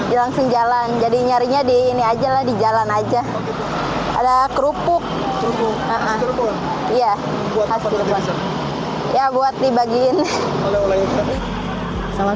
iya langsung jalan jadi nyarinya di ini ajalah di jalan aja ada kerupuk ya buat dibagiin salah